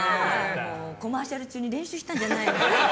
コマーシャル中に練習したんじゃないの？